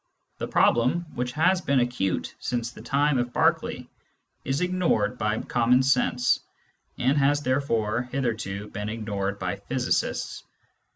This pr^lem, which has been acute since the time of Berkeley, is ignored by common sense, and has therefore hitherto been ignored by physicists.